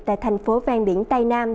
tại thành phố vang biển tây nam